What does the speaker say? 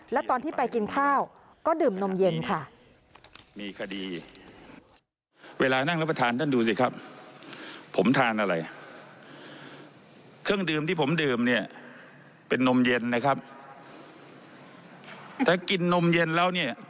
แล้วตอนที่ไปกินข้าวก็ดื่มนมเย็นค่ะ